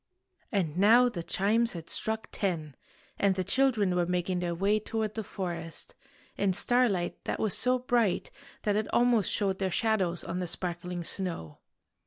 And now the chimes had struck ten, and the children were making their way toward the forest, in starlight that was so bright that it almost showed their shadows on the sparkling snow.